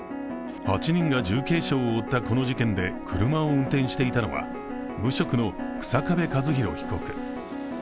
８人が重軽傷を負ったこの事件で車を運転していたのは無職の日下部和博被告。